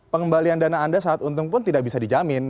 pengembalian dana anda saat untung pun tidak bisa dijamin